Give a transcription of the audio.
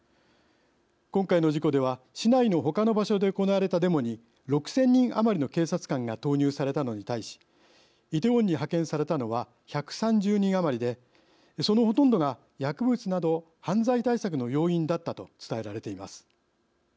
今回の事故では市内の他の場所で行われたデモに６０００人余りの警察官が投入されたのに対しイテウォンに派遣されたのは１３０人余りで、そのほとんどが薬物など犯罪対策の要員だったと伝えられています。